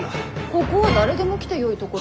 ここは誰でも来てよいところ。